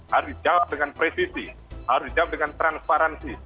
harus dijawab dengan presisi harus dijawab dengan transparansi